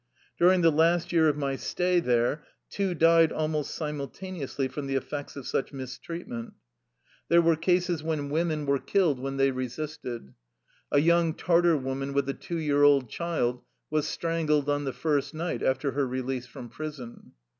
During the last year of my stay there two died almost simultaneously from the effects of such mis treatment. There were cases when women were 191 THE LIFE STOEY OF A EUSSIAN EXILE killed when they resisted. A young Tartar woman with a two year old child was strangled on the first night after her release from prison.